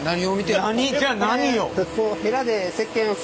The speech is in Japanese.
じゃあ何よ？